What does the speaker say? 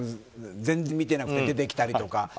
全然見てなくて出てきたりとか。